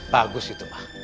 bagus itu pak